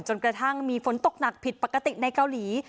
กระทั่งมีฝนตกหนักผิดปกติในเกาหลี